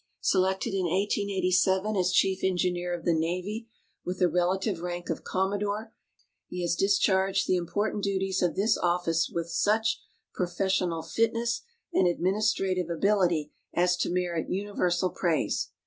Selected in 1887 as Chief Engineer of the Navy with the rela tive rank of Commodore, he has discharged the important duties of this ofiice with such professional fitness and administrative ability as to merit universal praise.